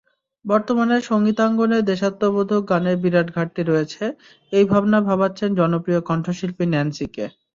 বর্তমানে সংগীতাঙ্গনে দেশাত্মবোধক গানের বিরাট ঘাটতি রয়েছে—এই ভাবনা ভাবাচ্ছে জনপ্রিয় কণ্ঠশিল্পী ন্যান্সিকে।